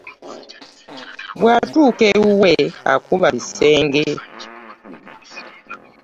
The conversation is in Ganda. Bw’atuuka ewuwe akuba bisenge.